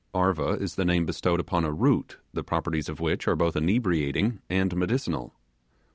Arva is the name bestowed upon a root the properties of which are both inebriating and medicinal.